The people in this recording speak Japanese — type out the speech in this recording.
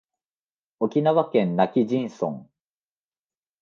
沖縄県今帰仁村